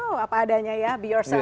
oh apa adanya ya be yourself